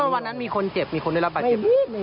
วันนั้นมีคนเจ็บมีคนไม่รักหรือเปล่า